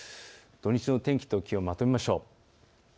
土日の天気と気温をまとめましょう。